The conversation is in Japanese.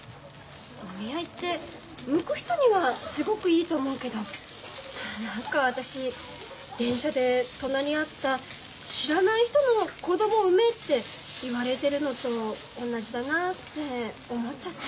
お見合いって向く人にはすごくいいと思うけど何か私電車で隣り合った知らない人の子供を産めって言われてるのと同じだなって思っちゃった。